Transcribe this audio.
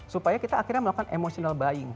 supaya kita akhirnya melakukan emotional buying